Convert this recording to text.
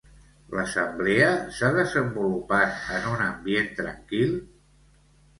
L'assemblea s'ha desenvolupat en un ambient tranquil?